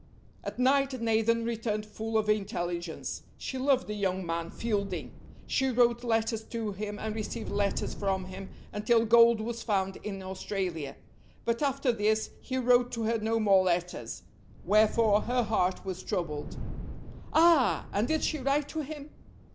At night Nathan returned full of intelligence. She loved the young man Fielding. She wrote letters to him and received letters from him, until gold was found in Australia. But after this he wrote to her no more letters, wherefore her heart was troubled. "Ah! and did she write to him?"